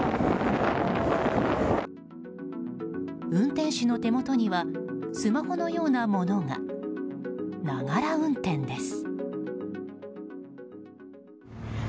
運転手の手元にはスマホのようなものが。ながら運転です。